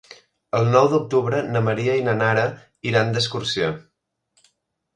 El nou d'octubre na Maria i na Nara iran d'excursió.